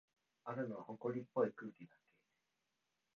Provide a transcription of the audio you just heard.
あるのは、ほこりっぽい空気だけ。